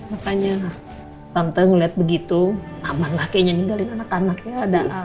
makanya lah tante ngeliat begitu aman lah kayaknya ninggalin anak anak ya